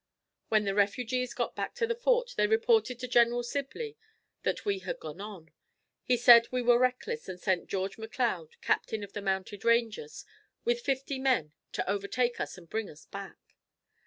When the refugees got back to the fort they reported to General Sibley that we had gone on. He said we were reckless and sent George McLeod, Captain of the Mounted Rangers, with fifty men to overtake us and bring us back.